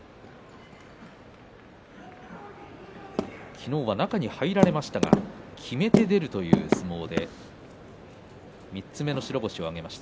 昨日は中に入られましたがきめて出るという相撲で３つ目の白星を挙げました。